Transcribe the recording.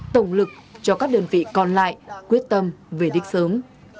tổng lực cho các đơn vị còn lại quyết tâm về đích sớm